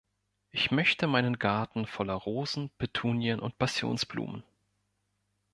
Ich möchte meinen Garten voller Rosen, Petunien und Passionsblumen.